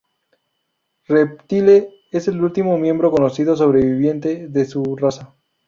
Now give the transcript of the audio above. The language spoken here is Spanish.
Reptile es el último miembro conocido sobreviviente de su raza.